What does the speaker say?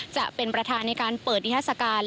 จะเป็นประธานในการเปิดนิทัศกาล